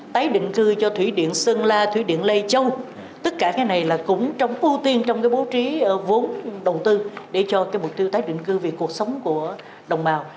tái định cư cho thủy điện sơn la thủy điện lê châu tất cả cái này là cũng trong ưu tiên trong cái bố trí vốn đầu tư để cho cái mục tiêu tái định cư về cuộc sống của đồng bào